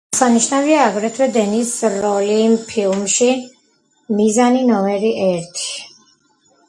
აღსანიშნავია აგრეთვე დენის როლი ფილმში „მიზანი ნომერი ერთი“.